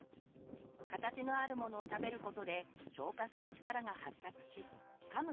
形のあるものを食べることで消化する力が発達しかむ